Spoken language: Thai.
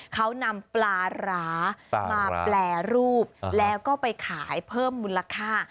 เขานำปลาร้ามาแปรรูปแล้วก็ไปขายเพิ่มมูลค่า